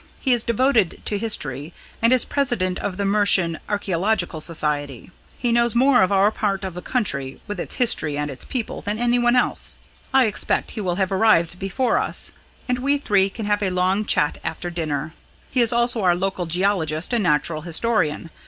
He is devoted to history, and is President of the Mercian Archaeological Society. He knows more of our own part of the country, with its history and its people, than anyone else. I expect he will have arrived before us, and we three can have a long chat after dinner. He is also our local geologist and natural historian.